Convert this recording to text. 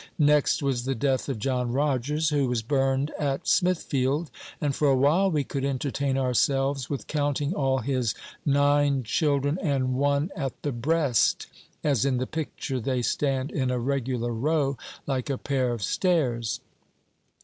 Next was the death of John Rogers, who was burned at Smithfield; and for a while we could entertain ourselves with counting all his "nine children and one at the breast," as in the picture they stand in a regular row, like a pair of stairs.